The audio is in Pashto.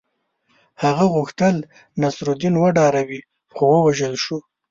هغه غوښتل نصرالدین وډاروي خو ووژل شو.